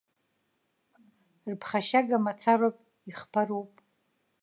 Рԥхашьага мацароуп, ихԥароуп.